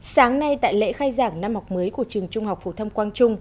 sáng nay tại lễ khai giảng năm học mới của trường trung học phủ thâm quang trung